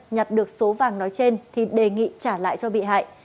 nhặt được số vàng nói trên thì đề nghị trả lại cho bị hại